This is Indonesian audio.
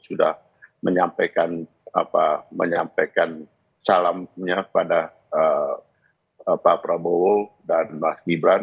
sudah menyampaikan salamnya kepada pak prabowo dan mas gibran